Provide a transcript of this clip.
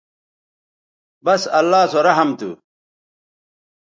بس اللہ سو رحم تھو